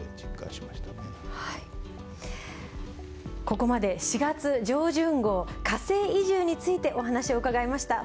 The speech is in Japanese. ここまで４月上旬号「火星移住」についてお話を伺いました。